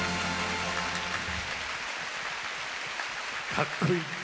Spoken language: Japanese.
かっこいい。